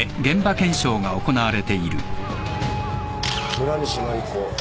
村西麻里子。